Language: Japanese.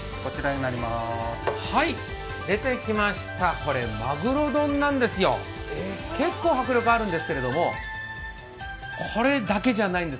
出てきました、まぐろ丼なんですよ結構迫力あるんですけれどもこれだけじゃないんです。